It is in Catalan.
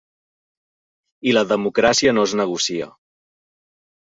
I la democràcia no es negocia.